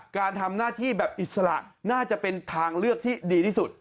การทำหน้าที่แบบอิสระน่าจะเป็นทางเลือกที่ดีที่สุด